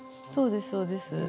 そうですそうです。